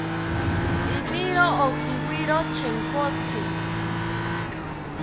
Iniro okiwiro Chenkotzi